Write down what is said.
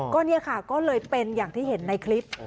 ก็เนี่ยค่ะก็เลยเป็นอย่างที่เห็นในคลิป